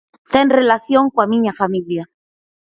Ten relación coa miña familia.